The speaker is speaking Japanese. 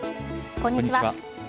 こんにちは。